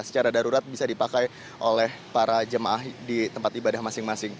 secara darurat bisa dipakai oleh para jemaah di tempat ibadah masing masing